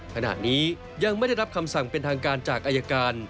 ขณะนี้ยังไม่ได้รับคำสั่งเป็นทางการจากอายการ